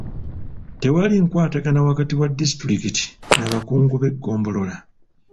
Tewali nkwatagana wakati wa disitulikiti n'abakungu b'eggombolola.